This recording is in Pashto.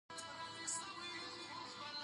سنگ مرمر د افغانستان د سیاسي جغرافیه برخه ده.